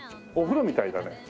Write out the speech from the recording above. お風呂みたいだね。